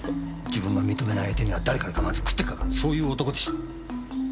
自分が認めない相手には誰彼構わず食ってかかるそういう男でした。